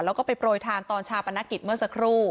แล้วก็ไปโปรยทานตอนชาปนกิจเมื่อสักครู่